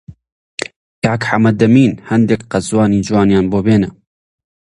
کاک حەمەدەمین هێندێک قەزوانی جوانیان بۆ بێنە!